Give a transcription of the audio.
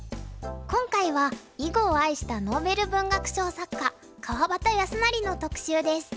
今回は「囲碁を愛したノーベル文学賞作家川端康成」の特集です。